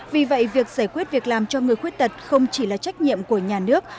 vì vậy việc giải quyết việc làm cho người khuyết tật không chỉ là trách nhiệm của nhà nước